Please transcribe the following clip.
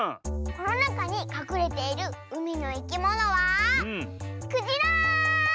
このなかにかくれているうみのいきものはクジラ！